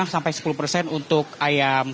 enam sampai sepuluh persen untuk ayam